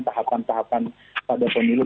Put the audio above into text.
tahapan tahapan pada pemilu